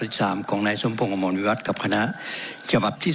ที่สามของนายสภงอมวณวิราตกับคณะจบับที่